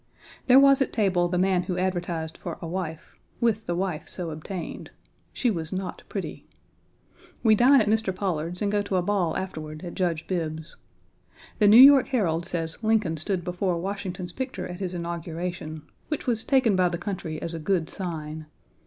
There was at table the man who advertised for a wife, with the wife so obtained. She was not pretty. We dine at Mr. Pollard's and go to a ball afterward at Judge Bibb's. The New York Herald says Lincoln stood before Washington's picture at his inauguration, which was taken by the country as a good sign.